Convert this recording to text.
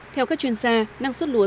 theo các chuyên gia năng suất lúa sẽ